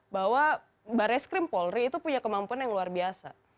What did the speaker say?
bahwa barreskrim polri itu punya kemampuan yang luar biasa